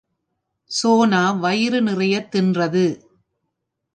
சோனா வயிறு நிறையத் தின்றது.